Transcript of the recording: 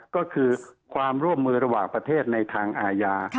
ก็คือความร่วมมือระหว่างประเทศในทางอาญา